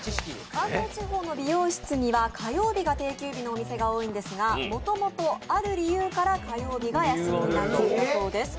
関東地方の美容室には火曜日が定休日のお店が多いんですがもともとある理由から火曜日が休みになっていたそうです。